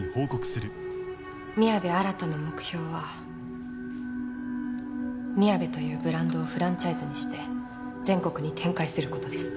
宮部新の目標はみやべというブランドをフランチャイズにして全国に展開する事です。